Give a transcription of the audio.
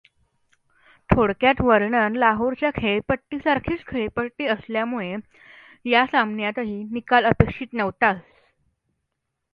थोडक्यात वर्णन लाहोरच्या खेळपट्टी सारखीच खेळपट्टी असल्याने या सामन्यातही निकाल अपेक्षित नव्हताच.